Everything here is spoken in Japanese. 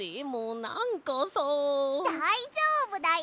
だいじょうぶだよ！